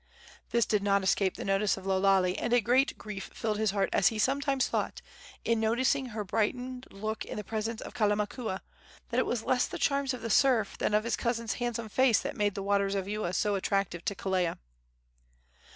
This did not escape the notice of Lo Lale, and a great grief filled his heart as he sometimes thought, in noting her brightened look in the presence of Kalamakua, that it was less the charms of the surf than of his cousin's handsome face that made the waters of Ewa so attractive to Kelea.